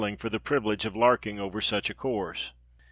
for the privilege of "larking" over such a course!